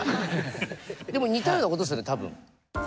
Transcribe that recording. でも似たようなことですよね多分。